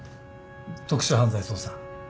特殊犯罪捜査。